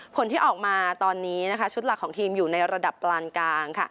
ผลที่ออกมาตอนนี้ชุดหลักของทีมอยู่ในระดับปลานกลาง